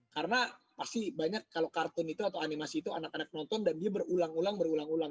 karena pasti banyak kalau kartun itu atau animasi itu anak anak nonton dan dia berulang ulang berulang ulang